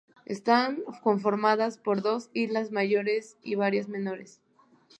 Están conformadas por dos islas mayores y varias menores.